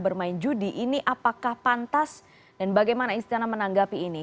bermain judi ini apakah pantas dan bagaimana istana menanggapi ini